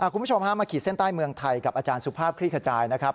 คุณผู้ชมฮะมาขีดเส้นใต้เมืองไทยกับอาจารย์สุภาพคลี่ขจายนะครับ